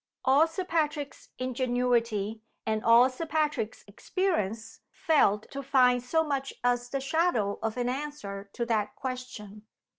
All Sir Patrick's ingenuity, and all Sir Patrick's experience, failed to find so much as the shadow of an answer to that question.